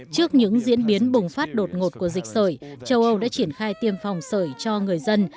trước những diễn biến bùng phát đột ngột của dịch sởi châu âu đã triển khai tiêm phòng sởi cho người dân